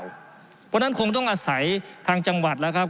เพราะฉะนั้นคงต้องอาศัยทางจังหวัดแล้วครับ